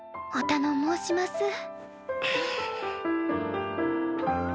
おたの申します。